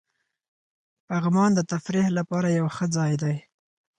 پغمان د تفریح لپاره یو ښه ځای دی.